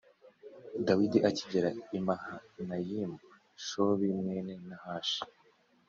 Dawidi akigera i Mahanayimu Shobi mwene Nahashi